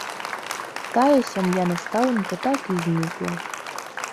Тая сям'я настаўніка так і знікла.